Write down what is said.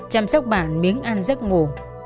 chăm sóc bạn miếng ăn giấc ngủ